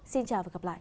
xin chào và gặp lại